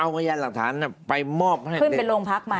เอาพยานหลักฐานไปมอบให้ขึ้นไปโรงพักมา